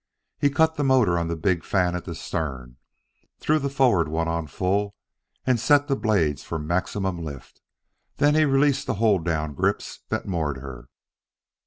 He cut the motor on the big fan at the stern, threw the forward one on full and set the blades for maximum lift, then released the hold down grips that moored her.